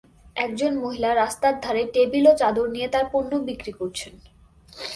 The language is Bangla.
একজন মহিলা রাস্তার ধারে টেবিল ও চাদর নিয়ে তার পণ্য বিক্রি করছেন